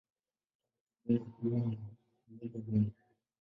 Vitongoji duni huwa na vyumba duni.